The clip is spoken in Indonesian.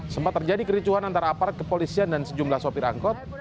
sempat terjadi kericuhan antara aparat kepolisian dan sejumlah sopir angkot